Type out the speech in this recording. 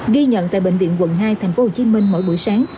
ghi nhận tại bệnh viện quận hai tp hcm mỗi buổi sáng